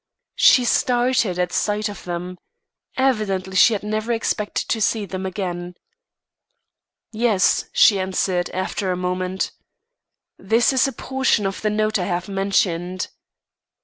She started at sight of them. Evidently she had never expected to see them again. "Yes," she answered, after a moment. "This is a portion of the note I have mentioned."